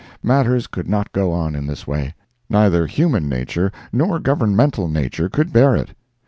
Matters could not go on in this way. Neither human nature nor governmental nature could bear it.